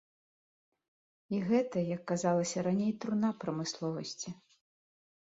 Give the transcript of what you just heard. І гэта, як казалася раней, труна прамысловасці.